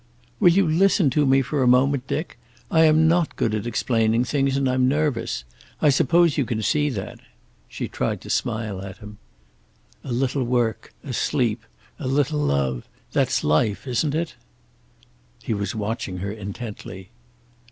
"Will you listen to me for a moment, Dick? I am not good at explaining things, and I'm nervous. I suppose you can see that." She tried to smile at him. "A a little work, a sleep, a little love, that's life, isn't it?" He was watching her intently.